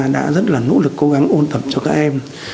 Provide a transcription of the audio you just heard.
đã rất là nỗ lực cố gắng ôn tập cho các em